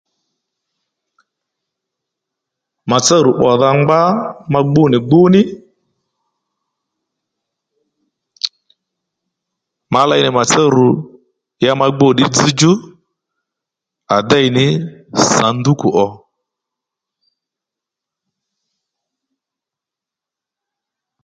Mà tsá rù bbòdha ngbá ma gbú nì gbú ní ma léy nì matsá ru ya ma gbû ddiy dzzdjú à dêy ní sàndúkù ò